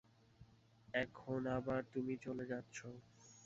এখন আবার তুমি চলে যাচ্ছ।